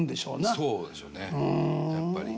そうでしょうねやっぱり。